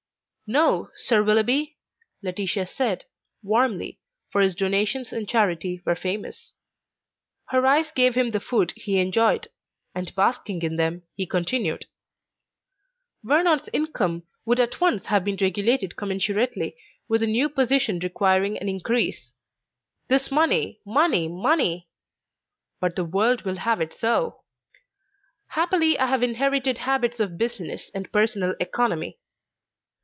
"No, Sir Willoughby!" Laetitia said, warmly, for his donations in charity were famous. Her eyes gave him the food he enjoyed, and basking in them, he continued: "Vernon's income would at once have been regulated commensurately with a new position requiring an increase. This money, money, money! But the world will have it so. Happily I have inherited habits of business and personal economy.